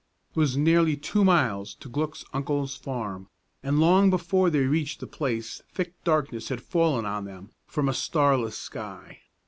It was nearly two miles to Glück's uncle's farm, and long before they reached the place thick darkness had fallen on them from a starless sky.